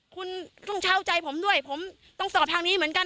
คุณต้องเช่าใจผมด้วยผมต้องสอบทางนี้เหมือนกัน